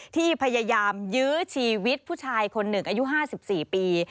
ที่พยายามยื้อชีวิตผู้ชายคนหนึ่งอายุ๕๔ปี